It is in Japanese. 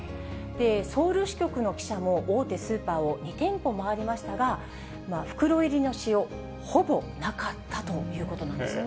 ソウル支局の記者も、大手スーパーを２店舗回りましたが、袋入りの塩、ほぼなかったということなんです。